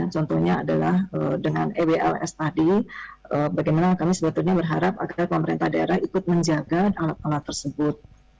contohnya adalah dengan ewls tadi bagaimana kami sebetulnya berharap agar pemerintah daerah ikut menjaga alat alat tersebut